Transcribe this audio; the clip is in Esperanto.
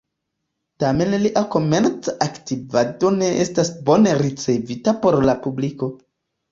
Tamen lia komenca aktivado ne estis bone ricevita por la publiko.